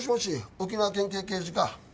沖縄県警刑事課。